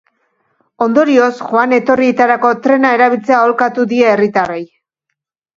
Ondorioz, joan-etorrietarako trena erabiltzea aholkatu die herritarrei.